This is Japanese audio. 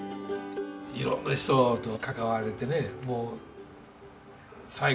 色んな人と関われてねもう最高です！